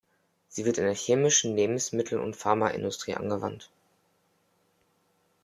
Sie wird in der chemischen, Lebensmittel- und Pharmaindustrie angewandt.